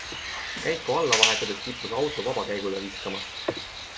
Käiku alla vahetades kippus auto vabakäigule viskama.